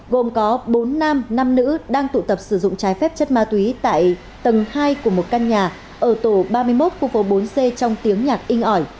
gồm có bốn nam năm nữ đang tụ tập sử dụng trái phép chất ma túy tại tầng hai của một căn nhà ở tổ ba mươi một khu phố bốn c trong tiếng nhạc in ỏi